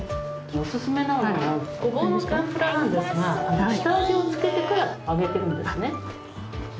お勧めなのはゴボウの天ぷらなんですが下味をつけてから揚げてるんですね。